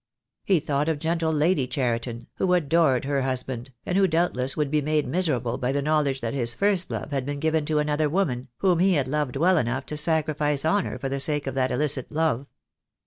He thought of gentle Lady Cheriton, who adored her husband, and who doubtless would be made miserable by the knowledge that his first love had been given to another woman, whom he had loved well enough to sacrifice honour for the sake of that illicit love.